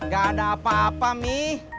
gak ada apa apa nih